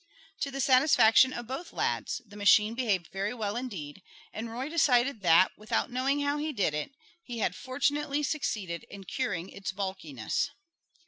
To the satisfaction of both lads, the machine behaved very well indeed, and Roy decided that, without knowing how he did it, he had fortunately succeeded in curing its "balkiness."